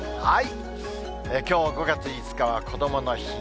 きょう５月５日はこどもの日。